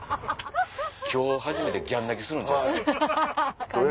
今日初めてギャン泣きするんちゃう？